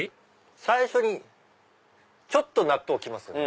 最初にちょっと納豆きますね。